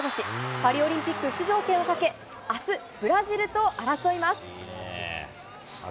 パリオリンピック出場権をかけ、あす、ブラジルと争います。